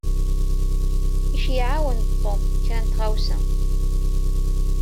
Iceyyeɛ-awen-d Tom kra n tɣawsa.